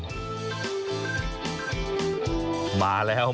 แรงเตียงเคลื่อน